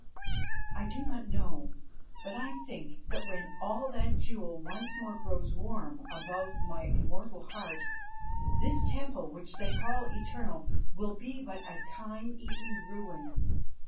"I do not know, but I think that when all that jewel once more grows warm above my immoral heart, this temple which they call eternal will be but a time eaten ruin.